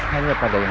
hanya pada yang